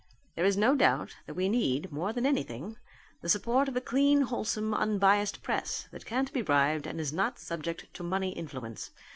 "There is no doubt that we need, more than anything, the support of a clean, wholesome unbiassed press that can't be bribed and is not subject to money influence.